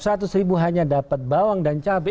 satu seribu hanya dapat bawang dan cabai